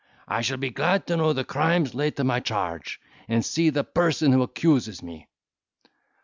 I shall be glad to know the crimes laid to my charge, and see the person who accuses me."